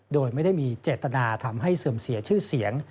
โดยไม่ได้มีเจตนาทำให้เสื่อมเสียชื่อเสียง